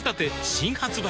新発売